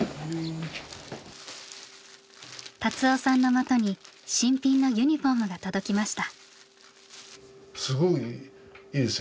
達夫さんのもとに新品のユニフォームが届きました。